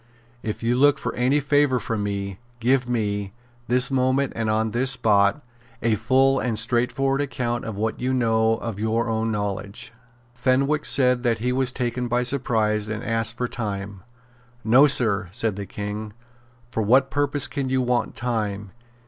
If you look for any favour from me, give me, this moment and on this spot, a full and straightforward account of what you know of your own knowledge." Fenwick said that he was taken by surprise, and asked for time. "No, Sir," said the King. "For what purpose can you want time?